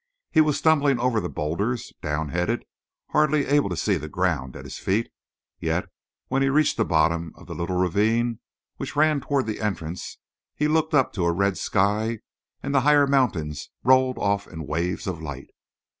He was stumbling over the boulders, downheaded, hardly able to see the ground at his feet, yet when he reached the bottom of the little ravine which ran toward the entrance, he looked up to a red sky, and the higher mountains rolled off in waves of light.